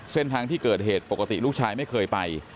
เส้นทางที่เกิดเหตุปกติลูกชายไม่เคยไป